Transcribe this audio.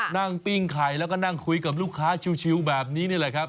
ปิ้งไข่แล้วก็นั่งคุยกับลูกค้าชิวแบบนี้นี่แหละครับ